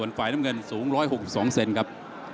ส่วนฝ่ายน้ำเงินสูง๑๖๒เซนติเมตรครับ